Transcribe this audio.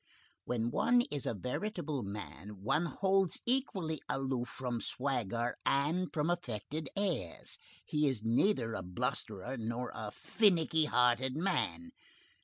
When one is a veritable man, one holds equally aloof from swagger and from affected airs. He is neither a blusterer nor a finnicky hearted man.